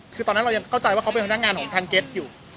คือตอนนั้นเรายังเข้าใจว่าเขาเป็นพนักงานของทางเก็ตอยู่